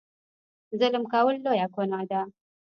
ظلم کول لویه ګناه ده.